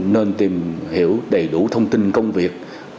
nên tìm hiểu đầy đủ thông tin công việc